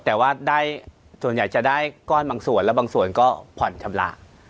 แต่ว่าได้ส่วนใหญ่จะได้ก้อนบางส่วนแล้วบางส่วนก็ผ่อนชำระ